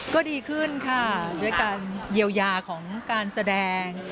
ก็ดีขึ้นค่ะด้วยการเยียวยาของการแสดง